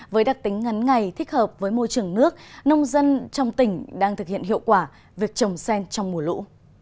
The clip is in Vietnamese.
với đặc tính ngắn ngày thích hợp với môi trường nước nông dân trong tỉnh đang thực hiện hiệu quả việc trồng sen trong mùa lũ